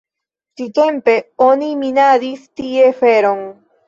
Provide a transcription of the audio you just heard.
Tiutempe oni minadis tie feron.